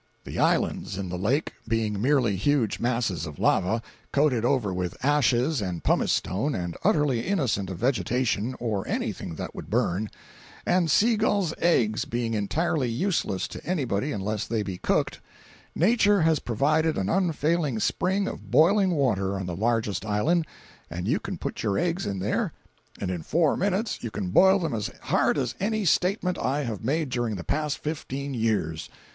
The islands in the lake being merely huge masses of lava, coated over with ashes and pumice stone, and utterly innocent of vegetation or anything that would burn; and sea gull's eggs being entirely useless to anybody unless they be cooked, Nature has provided an unfailing spring of boiling water on the largest island, and you can put your eggs in there, and in four minutes you can boil them as hard as any statement I have made during the past fifteen years.